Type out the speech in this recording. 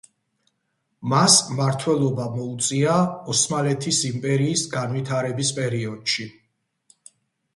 მას მმართველობა მოუწია ოსმალეთის იმპერიის განვითარების პერიოდში.